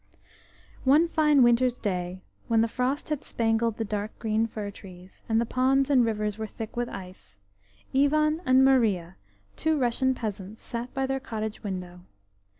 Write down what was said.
NE fine winter's day, when the frost had spangled the dark green fir trees, and the ponds and rivers were thick with ice, Ivan and Maria, two Russian peasants, sat by their cottage window.